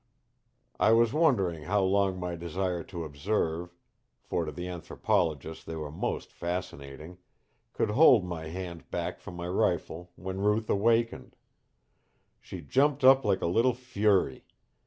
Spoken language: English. I was wondering how long my desire to observe for to the anthropologist they were most fascinating could hold my hand back from my rifle when Ruth awakened. "She jumped up like a little fury.